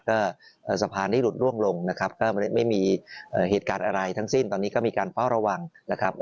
ก็สะพานนี้หลุดร่วงลงนะครับก็ไม่มีเหตุการณ์อะไรทั้งสิ้นตอนนี้ก็มีการเฝ้าระวังนะครับ